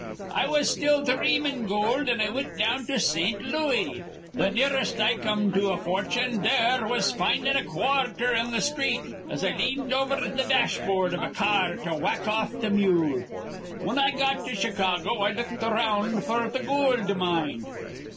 "I was still dreamin' goold, an' I wint down to Saint Looey. Th' nearest I come to a fortune there was findin' a quarther on th' sthreet as I leaned over th' dashboord iv a car to whack th' off mule. Whin I got to Chicago, I looked around f'r the goold mine.